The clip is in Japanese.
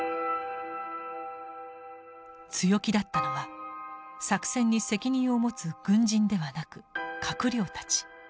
強気だったのは作戦に責任を持つ軍人ではなく閣僚たち。